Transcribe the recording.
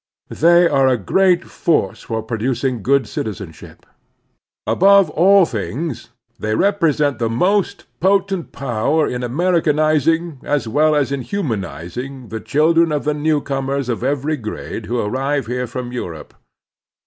They are a great force for pro ducing good citizenship. Above all things, they represent the most potent power in Americanizing as well as in humanizing the children of the new comers of every grade who arrive here from Europe.